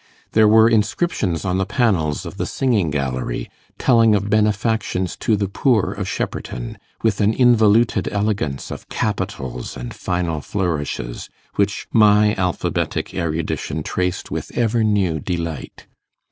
There were inscriptions on the panels of the singing gallery, telling of benefactions to the poor of Shepperton, with an involuted elegance of capitals and final flourishes, which my alphabetic erudition traced with ever new delight.